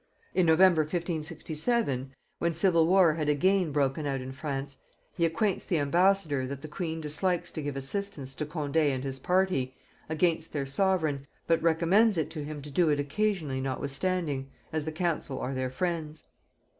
In November 1567, when civil war had again broken out in France, he acquaints the ambassador that the queen dislikes to give assistance to Condé and his party against their sovereign, but recommends it to him to do it occasionally notwithstanding, as the council are their friends.